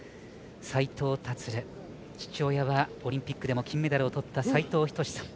斉藤立、父親はオリンピックでも金メダルをとった斉藤仁さん。